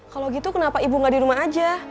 kalau gitu kenapa ibu nggak di rumah aja